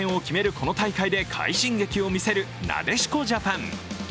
この大会で快進撃を見せるなでしこジャパン。